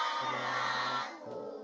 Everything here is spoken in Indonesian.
mengabdi kepada ibu pertiwi